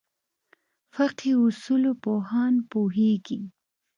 فقهې اصولو پوهان پوهېږي.